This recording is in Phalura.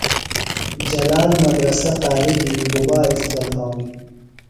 جلال مدرسہ قاریۡ دی گُبا اِزدہ تھانُوۡ؟